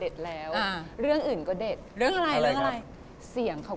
จริงหรือเปล่า